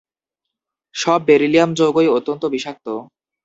সব বেরিলিয়াম যৌগই অত্যন্ত বিষাক্ত।